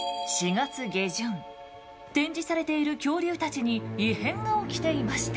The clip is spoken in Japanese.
展示されている恐竜たちに異変が起きていました。